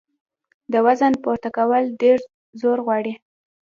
د وزن پورته کول ډېر زور غواړي.